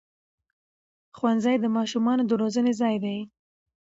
ښوونځی د ماشومانو د روزنې ځای دی